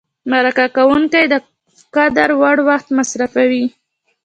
مرکه کېدونکی د قدر وړ وخت مصرفوي.